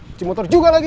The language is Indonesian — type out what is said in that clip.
kecil motor juga lagi